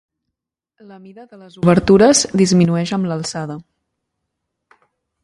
La mida de les obertures disminueix amb l'alçada.